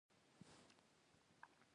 هغوی د مطالعې ترڅنګ تجربې ته هم اړتیا لري.